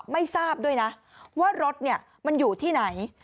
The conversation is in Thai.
ไม่ทราบด้วยนะว่ารถมันอยู่ที่ไหน